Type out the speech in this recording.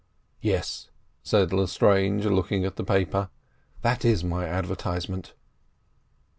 "Yes," said Lestrange, looking at the paper; "that is my advertisement."